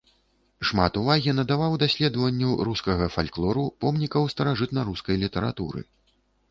Шмат увагі надаваў даследаванню рускага фальклору, помнікаў старажытнарускай літаратуры.